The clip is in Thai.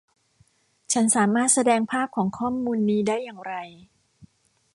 ฉันสามารถแสดงภาพของข้อมูลนี้ได้อย่างไร